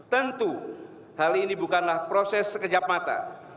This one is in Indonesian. tentu hal ini bukanlah proses sekejap mata